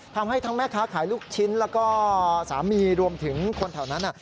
ทำให้ทั้งแม่ค้าขายลูกชิ้นแล้วก็สามีรวมถึงคนแถวนั้น